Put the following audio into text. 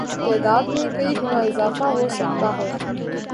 تعداد میں کئی گنا اضافہ ہوسکتا ہے